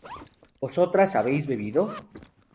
¿vosotras habéis bebido?